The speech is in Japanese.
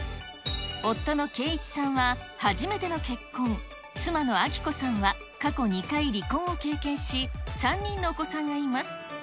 夫の敬一さんは初めての結婚、妻の明子さんは過去２回離婚を経験し、３人のお子さんがいます。